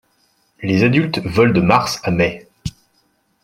Les adultes volent de mars à mai.